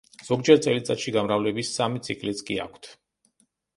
ზოგჯერ წელიწადში გამრავლების სამი ციკლიც კი აქვთ.